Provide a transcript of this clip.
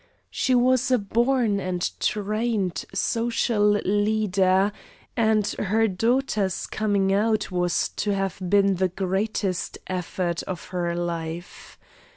She was a born and trained social leader, and her daughter's coming out was to have been the greatest effort of her life.